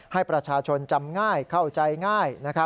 ให้ประชาชนจำง่ายเข้าใจง่าย